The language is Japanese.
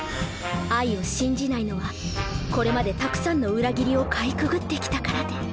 愛を信じないのはこれまでたくさんの裏切りをかいくぐって来たからで。